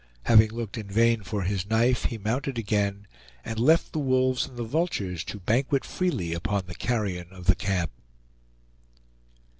Having looked in vain for his knife, he mounted again, and left the wolves and the vultures to banquet freely upon the carrion of the camp.